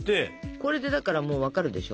これでだからもう分かるでしょ。